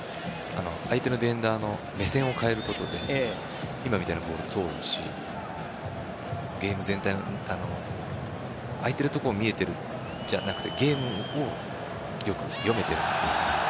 相手のディフェンダーの目線を変えることで今みたいなボールを通して空いているところが見えているじゃなくてゲームをよく読めているなっていう。